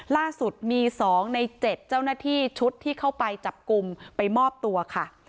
ล่าสุดมี๒ใน๗เจ้าหน้าที่ชุดที่เข้าไปจับกลุ่มไปมอบตัวค่ะ